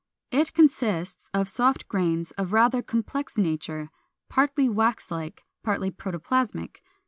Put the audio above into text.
It consists of soft grains of rather complex nature, partly wax like, partly protoplasmic.